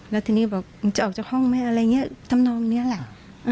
แล้วทีนี้บอกมึงจะออกจากห้องไหมอะไรอย่างนี้ทำนองนี้แหละ